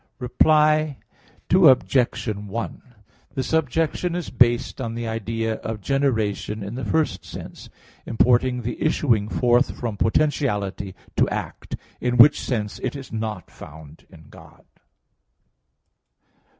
Reply Obj. 1: This objection is based on the idea of generation in the first sense, importing the issuing forth from potentiality to act; in which sense it is not found in God.